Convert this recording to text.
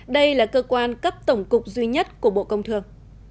đây là cơ quan cấp tổng cục duy nhất của bộ công thương